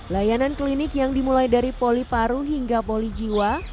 layanan klinik yang dimulai dari poli paru hingga poli jiwa